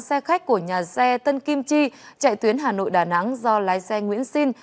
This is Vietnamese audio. xe khách của nhà xe tân kim chi chạy tuyến hà nội đà nẵng do lái xe nguyễn sinh